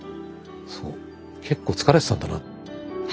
そう結構疲れてたんだな。